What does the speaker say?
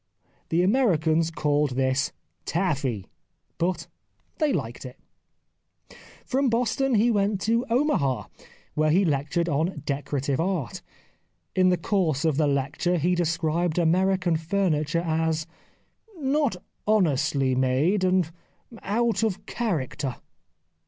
The Americans called this " taffy," but they liked it. From Boston he went to Omaha, where he lectured on " Decorative Art." In the course of the lecture he described American furniture as " not honestly made and out of character."